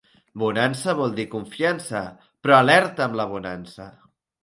Bonança vol dir confiança, però alerta amb la bonança.